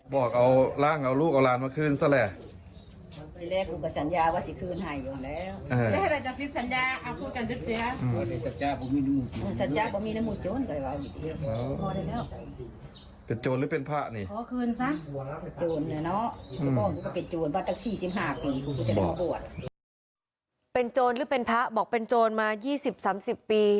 เป็นโจรหรือเป็นพระบอกเป็นโจรมา๒๐๓๐ปี